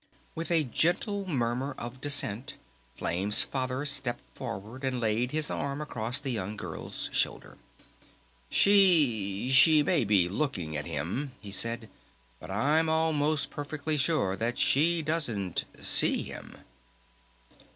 With a gentle murmur of dissent, Flame's Father stepped forward and laid his arm across the young girl's shoulder. "She she may be looking at him," he said. "But I'm almost perfectly sure that she doesn't ... see him."